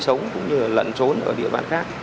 sống cũng như lận trốn ở địa bàn khác